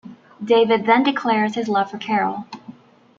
David then declares his love for Carol.